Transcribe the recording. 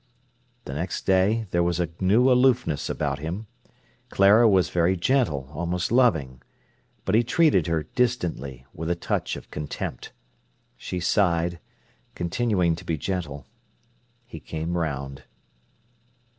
The next day there was a new aloofness about him. Clara was very gentle, almost loving. But he treated her distantly, with a touch of contempt. She sighed, continuing to be gentle. He came round.